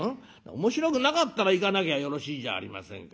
「面白くなかったら行かなきゃよろしいじゃありませんか」。